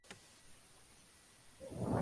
Se está realizando un ensayo clínico.